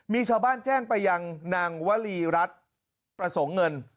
มีชาวบ้านแจ้งไปยังนางวลีรัฐประสงค์เงิน